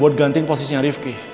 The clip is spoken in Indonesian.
buat gantiin posisinya rifki